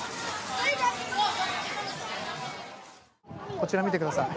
こちら、見てください。